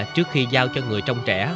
trước khi giao cho người trông trẻ